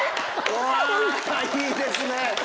うわいいですね！